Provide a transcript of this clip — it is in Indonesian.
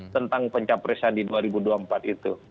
tentang pencapresan di dua ribu dua puluh empat itu